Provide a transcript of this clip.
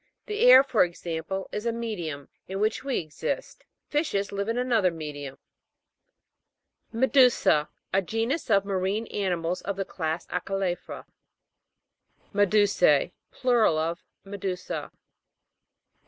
The air, for example, is a medium, in which we exist ; fishes live in another medium. MEDU'SA. A genus of marine ani mals of the class Acale'pha. MEDU'S^E. Plural of Medusa.